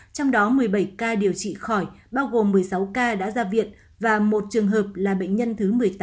trong đó một mươi bảy ca điều trị khỏi bao gồm một mươi sáu ca đã ra viện và một trường hợp là bệnh nhân thứ một mươi tám